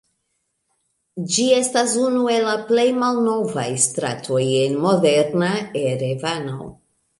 Ĝi estas unu el la plej malnovaj stratoj en moderna Erevano.